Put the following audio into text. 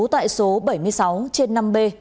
tại số bảy mươi sáu trên năm b